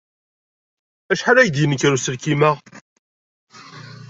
Acḥal ay ak-d-yenker uselkim-a?